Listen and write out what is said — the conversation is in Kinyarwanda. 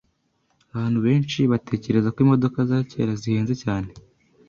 Abantu benshi batekereza ko imodoka za kera zihenze cyane.